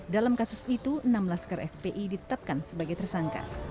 dalam kasus itu enam laskar fpi ditetapkan sebagai tersangka